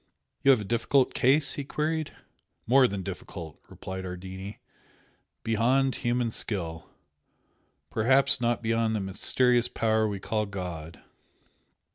"You have a difficult case?" he queried. "More than difficult!" replied Ardini "Beyond human skill! Perhaps not beyond the mysterious power we call God."